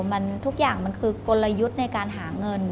มันทุกอย่างมันคือกลยุทธ์ในการหาเงิน